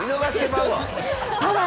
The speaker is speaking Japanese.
パワー！